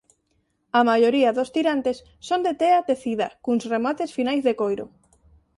A maioría dos tirantes son de tea tecida cuns remates finais de coiro.